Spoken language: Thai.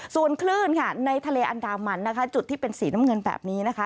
ส่วนคลื่นค่ะในทะเลอันดามันนะคะจุดที่เป็นสีน้ำเงินแบบนี้นะคะ